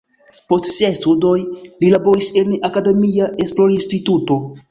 Post siaj studoj li laboris en akademia esplorinstituto.